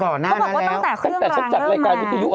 เขาบอกว่าตั้งแต่เครื่องรางเริ่มมา